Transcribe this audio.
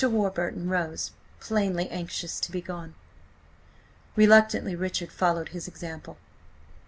Warburton rose, plainly anxious to be gone. Reluctantly Richard followed his example.